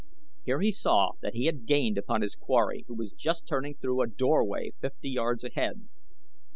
Here he saw that he had gained upon his quarry who was just turning through a doorway fifty yards ahead.